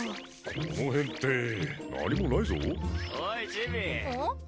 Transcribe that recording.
この辺って何もないぞおいチビうん？